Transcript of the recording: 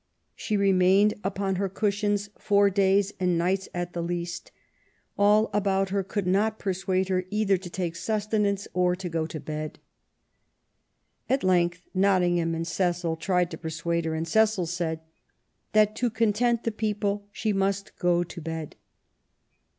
She remained upon her cushions four days and nights at the least. All about her could not persuade her either to take sustenance or go to bed." At length Nottingham and Cecil tried to persuade her, and Cecil said that "to content the people she must go to bed".